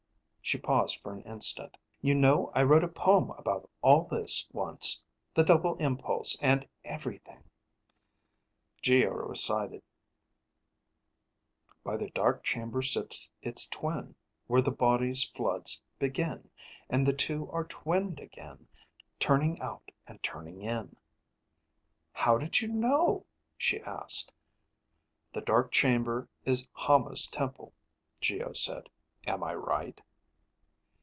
She paused for an instant. "You know I wrote a poem about all this once, the double impulse and everything." Geo recited: "_By the dark chamber sits its twin, where the body's floods begin, and the two are twinned again, turning out and turning in._" "How did you know?" she asked. "The dark chamber is Hama's temple," Geo said. "Am I right?"